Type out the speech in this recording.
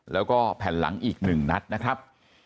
แล้วก็แผ่นหลังอีก๑นัดนะครับ